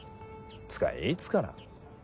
つかいつから？